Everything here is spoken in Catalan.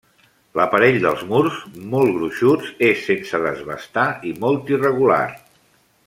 L'aparell dels murs, molt gruixuts, és sense desbastar i molt irregular.